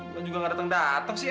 kamu juga gak dateng dateng sih ya